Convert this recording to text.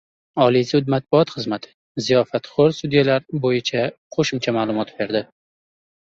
Oliy sud matbuot xizmati «ziyofatxo‘r sudyalar» bo‘yicha qo‘shimcha ma’lumot berdi